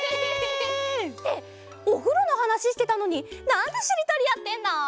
っておふろのはなししてたのになんでしりとりやってんの？